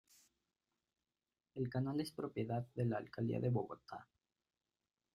El canal es propiedad de la Alcaldía de Bogotá.